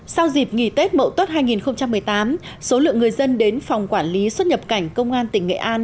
sau dịp nghỉ tết mậu tuất hai nghìn một mươi tám số lượng người dân đến phòng quản lý xuất nhập cảnh công an tỉnh nghệ an